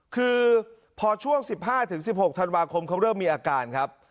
คือพอช่วง๑๕๑๖ธันวาคมเขาเริ่มมีอาการครับ